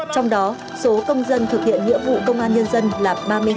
trong đó số công dân thực hiện nghĩa vụ công an nhân dân là ba mươi hai